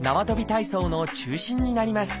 体操の中心になります